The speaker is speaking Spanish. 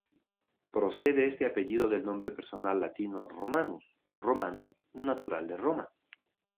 Procede este apellido del nombre personal latino Romanus, "romano", "natural de Roma".